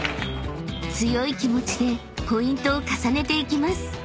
［強い気持ちでポイントを重ねていきます］